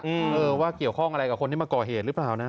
เออว่าเกี่ยวข้องอะไรกับคนที่มาก่อเหตุหรือเปล่านะ